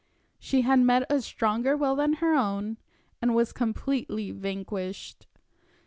She had met a stronger will than her own, and was completely vanquished.